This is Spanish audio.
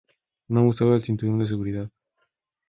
No usaba el cinturón de seguridad.